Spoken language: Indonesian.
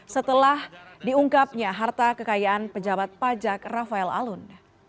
setelah diungkapnya harta kekayaan pejabat pajak rafael alun